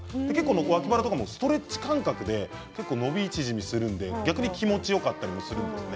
脇腹とかもストレッチ感覚で伸び縮みするので逆に気持ちよかったりするんですね。